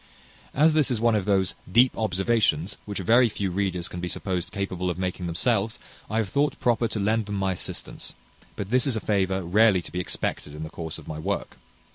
As this is one of those deep observations which very few readers can be supposed capable of making themselves, I have thought proper to lend them my assistance; but this is a favour rarely to be expected in the course of my work.